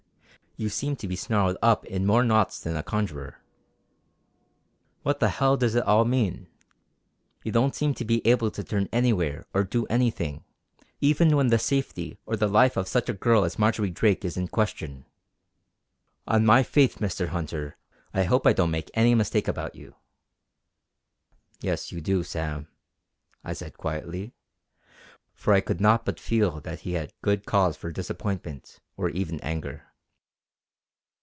You seem to be snarled up in more knots than a conjuror. What the hell does it all mean? You don't seem to be able to turn anywhere or do anything, even when the safety or the life of such a girl as Marjory Drake is in question. On my faith Mr. Hunter I hope I don't make any mistake about you!" "Yes, you do, Sam!" I said quietly, for I could not but feel that he had good cause for disappointment or even anger.